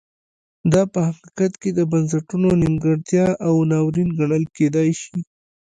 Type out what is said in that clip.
دا په حقیقت کې د بنسټونو نیمګړتیا او ناورین ګڼل کېدای شي.